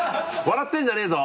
笑ってるんじゃねぇぞ。